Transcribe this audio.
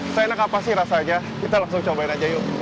seenak apa sih rasanya kita langsung cobain aja yuk